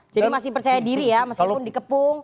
jadi masih percaya diri ya meskipun dikepung